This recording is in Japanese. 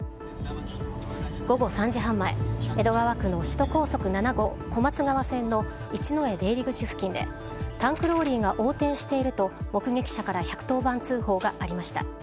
午後３時半前江戸川区首都高速７号小松川線の一之江出入り口付近でタンクローリーが横転していると目撃者から１１０番通報がありました。